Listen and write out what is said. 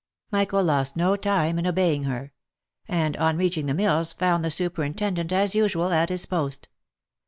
Michael lost no time in obeying her ; and on reaching the mills found the superintendent, as usual, at his post.